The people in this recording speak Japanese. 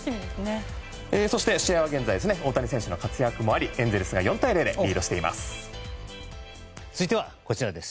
そして試合は現在大谷選手の活躍もありエンゼルスが４対０でリードしています。